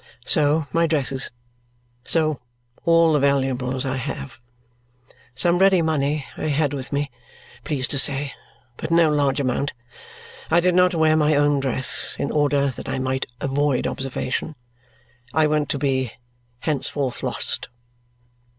So, my dresses. So, all the valuables I have. Some ready money I had with me, please to say, but no large amount. I did not wear my own dress, in order that I might avoid observation. I went to be henceforward lost.